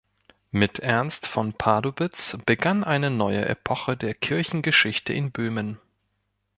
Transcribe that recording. Mit Ernst von Pardubitz begann eine neue Epoche der Kirchengeschichte in Böhmen.